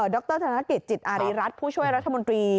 ดรธนาคิตจิตอาริรัตรผู้ช่วยรัฐมนตรี